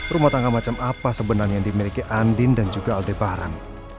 rumah tangga macam apa sebenarnya yang dimiliki andin dan juga aldebaran